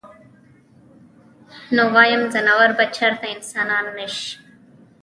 نو وايم ځناور به چرته انسانان نشي -